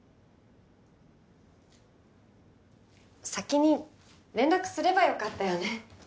先に連絡すればよかったよね。